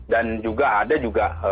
dan juga ada juga